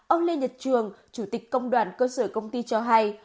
ông lê nhật trường chủ tịch công đoàn cơ sở công ty cho hay